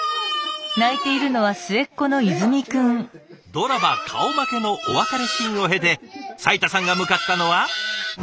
ドラマ顔負けのお別れシーンを経て斉田さんが向かったのは。